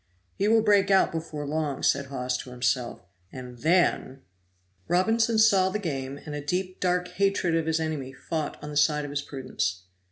"He will break out before long," said Hawes to himself, "and then " Robinson saw the game, and a deep dark hatred of his enemy fought on the side of his prudence.